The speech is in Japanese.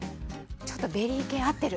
ちょっとベリー系、合ってる。